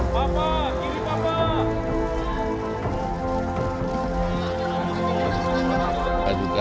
sampai jumpa lagi